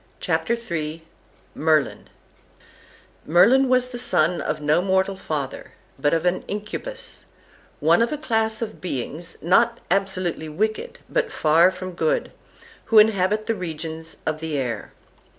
CHAPTER III MERLIN Merlin was the son of no mortal father, but of an Incubus, one of a class of beings not absolutely wicked, but far from good, who inhabit the regions of the air.